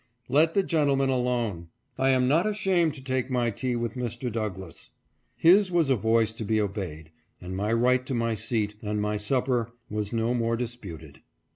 " Let the gentleman alone ! I am not ashamed to take my tea with Mr. Douglass." His was a voice to be obeyed, and my right to my seat and my supper was no more disputed.